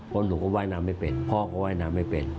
ผมหนูก็ว่ายนำไม่เป็น